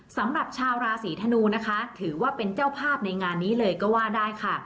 สำหรับชาวราศีธนูนะคะถือว่าเป็นเจ้าภาพในงานนี้เลยก็ว่าได้ค่ะ